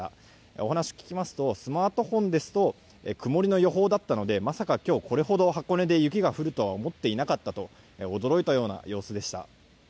お話を聞きますとスマートフォンですと曇りの予報だったのでまさか、これほど箱根で雪が降るとは思っていなかったと驚いたような様子でした。